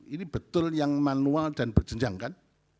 ini betul yang manual dan berjenjang kan